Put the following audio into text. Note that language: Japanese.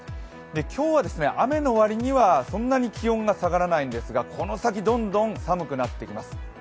今日は雨の割にはそんなに気温が下がらないんですがこの先、どんどん寒くなってきます。